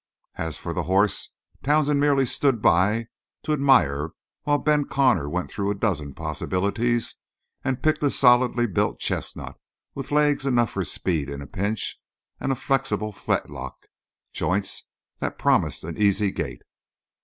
As for the horse, Townsend merely stood by to admire while Ben Connor went through a dozen possibilities and picked a solidly built chestnut with legs enough for speed in a pinch, and a flexible fetlock joints that promised an easy gait.